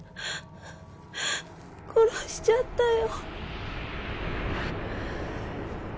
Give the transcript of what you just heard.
殺しちゃったよ。